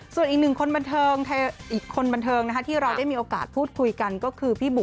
ส่วนอีกคนบรรเทิงที่เราได้มีโอกาสพูดคุยกันก็คือพี่บุ่ม